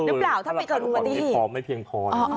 หรือเปล่าถ้าไม่เกิดคุณมาดูพอไม่เพียงพออ๋ออ๋ออ๋อ